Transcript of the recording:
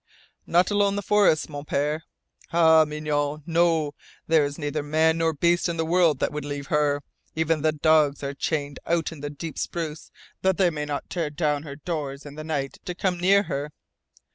"Not alone the forests, Mon Pere." "Ah, Mignonne. No, there is neither man nor beast in the world that would leave her. Even the dogs are chained out in the deep spruce that they may not tear down her doors in the night to come near her.